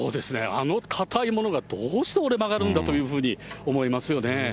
あのかたいものがどうして折れ曲がるんだというふうに思いますよね。